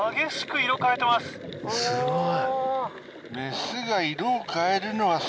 すごい。